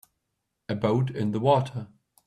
A boat in the water.